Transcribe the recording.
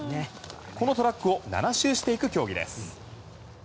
このトラックを７周していく競技です。